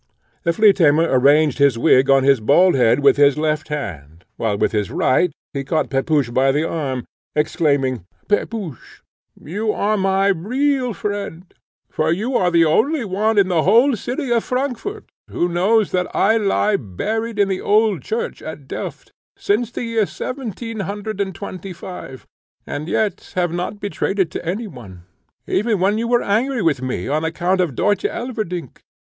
The flea tamer arranged his wig on his bald head with his left hand, while with his right he caught Pepusch by the arm, exclaiming "Pepusch, you are my real friend, for you are the only man in the whole city of Frankfort, who know that I lie buried in the old church at Delft, since the year seventeen hundred and twenty five, and yet have not betrayed it to any one, even when you were angry with me on account of Dörtje Elverdink.